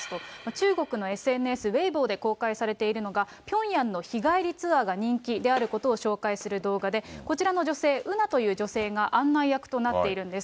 中国のＳＮＳ、ウェイボーで公開されているのが、ピョンヤンの日帰りツアーが人気であることを紹介する動画で、こちらの女性、ウナという女性が案内役となっているんです。